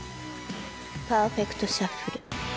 パーフェクトシャッフル。